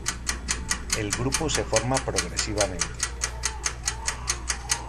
El grupo se forma progresivamente.